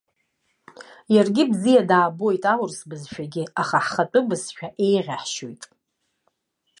Иаргьы бзиа даабоит, аурыс бызшәагьы, аха ҳхатәы бызшәа еиӷьаҳшьоит.